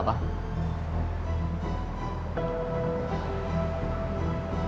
udah jadi apaan